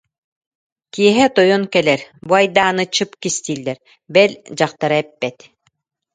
Киэһэ тойон кэлэр, бу айдааны чып кистииллэр, бэл, дьахтара эппэт